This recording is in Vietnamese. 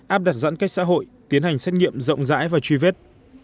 áp đặt giãn cách xã hội tiến hành xét nghiệm rộng rãi và truy vết